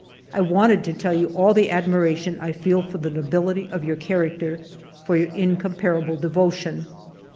I wanted to tell you all the admiration I feel for the nobility of your character, for your incompar able devotion